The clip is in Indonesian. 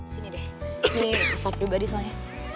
sini deh ini ustadz pribadi soalnya